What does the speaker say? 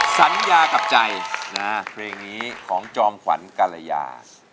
สัญญากับใจนะเพลงนี้ของจอมขวัญกรยา